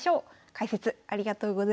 解説ありがとうございました。